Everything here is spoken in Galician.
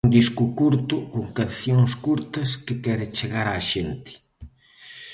Un disco curto, con cancións curtas, que quere chegar á xente.